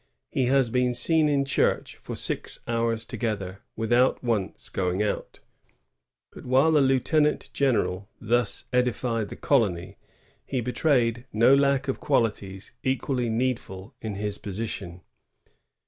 He has been seen in church for six hours together, without once going out.'' But while the lieutenant general thus edified the colony, he betrayed no lack of qualities equally needful in his position.